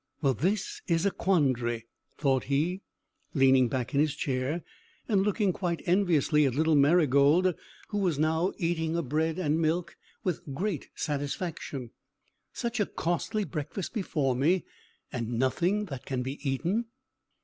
"Well, this is a quandary!" thought he, leaning back in his chair, and looking quite enviously at little Marygold, who was now eating her bread and milk with great satisfaction. "Such a costly breakfast before me, and nothing that can be eaten!"